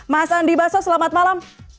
mas andi baso selamat malam